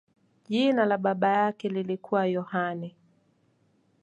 Jina la baba yake lilikuwa Yohane.